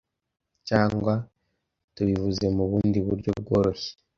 cyangwa tubivuze mu bundi buryo bworoshye,